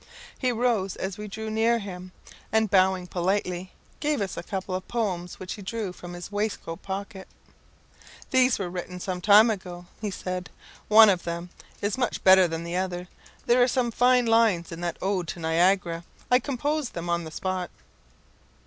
He rose as we drew near him, and bowing politely, gave us a couple of poems which he drew from his waistcoat pocket. "These were written some time ago," he said; "One of them is much better than the other. There are some fine lines in that ode to Niagara I composed them on the spot."